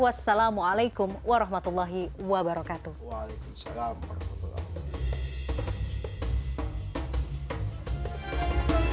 wassalamualaikum warahmatullahi wabarakatuh